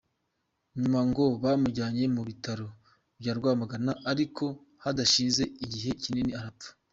Nyuma ngo bamujyanye mu bitaro bya Rwamagana, ariko hadashize igihe kinini arapfa.